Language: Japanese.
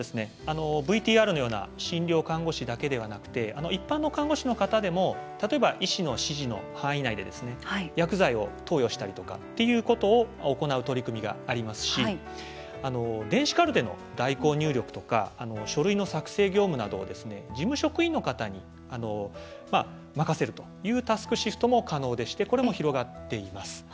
ＶＴＲのような診療看護師だけではなくて一般の看護師の方でも例えば医師の指示の範囲内で薬剤を投与したりとかということを行う取り組みがありますし電子カルテの代行入力とか書類の作成業務などを事務職員の方に任せるというタスクシフトも可能でしてこれも広がっています。